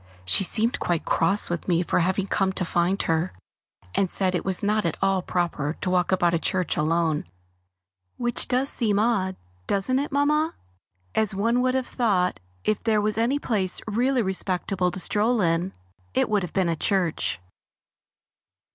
She seemed quite cross with me for having come to find her, and said it was not at all proper to walk about a church alone, which does seem odd, doesn't it, Mamma? As one would have thought if there was any place really respectable to stroll in, it would have been a church.